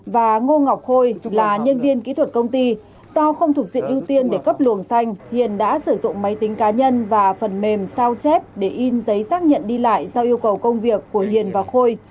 và ngô ngọc khôi là nhân viên kỹ thuật công ty do không thuộc diện ưu tiên để cấp luồng xanh hiền đã sử dụng máy tính cá nhân và phần mềm sao chép để in giấy xác nhận đi lại do yêu cầu công việc của hiền và khôi